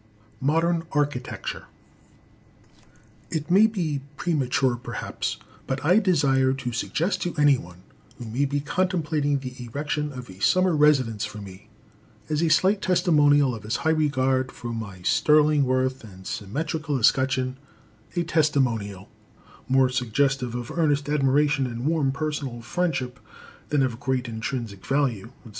Modern Architecture. It may be premature, perhaps, but I desire to suggest to anyone who may be contemplating the erection of a summer residence for me, as a slight testimonial of his high regard for my sterling worth and symmetrical escutcheon a testimonial more suggestive of earnest admiration and warm personal friendship than of great intrinsic value, etc.